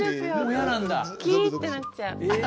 キってなっちゃう。